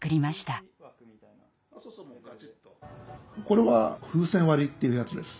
これは風船割りっていうやつです。